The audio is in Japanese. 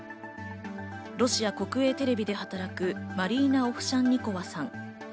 ロシア国営テレビで働くマリーナ・オフシャンニコワさん。